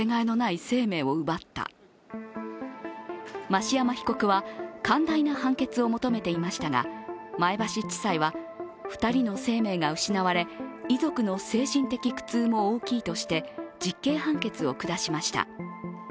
増山被告は寛大な判決を求めていましたが前橋地裁は、２人の生命が失われ遺族の精神的苦痛も大きいとして実刑判決を下しました。